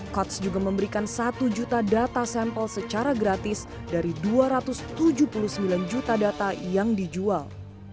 coach juga memberikan satu juta data sampel secara gratis dari dua ratus tujuh puluh sembilan juta data yang dijual